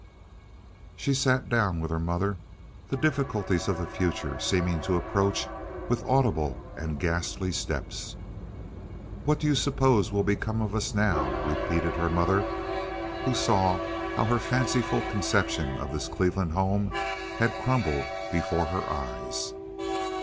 She sat down with her mother, the difficulties of the future seeming to approach with audible and ghastly steps. "What do you suppose will become of us now?" repeated her mother, who saw how her fanciful conception of this Cleveland home had crumbled before her eyes.